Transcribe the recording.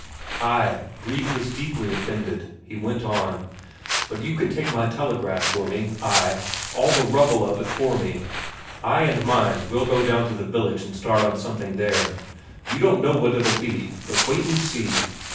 Ay, Brede was deeply offended; he went on: "But you can take the telegraph for me, ay, all the rubble of it for me. I and mine we'll go down to the village and start on something there you don't know what it'll be, but wait and see.